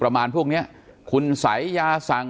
การแก้เคล็ดบางอย่างแค่นั้นเอง